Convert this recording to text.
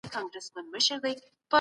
موسی جان او ګل مکۍ هم په کي سته.